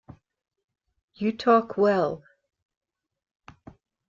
You talk well.